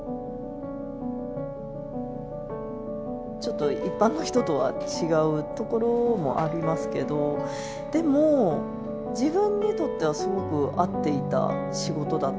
ちょっと一般の人とは違うところもありますけどでも自分にとってはすごく合っていた仕事だったので。